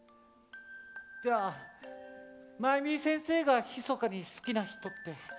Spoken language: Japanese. じゃあマイミー先生がひそかに好きな人って。